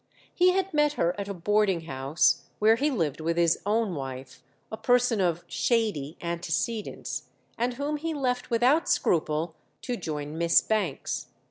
He had met her at a boarding house, where he lived with his own wife, a person of "shady" antecedents, and whom he left without scruple to join Miss Bankes.